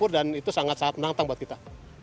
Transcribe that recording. dan itu sangat sangat menantang buat kita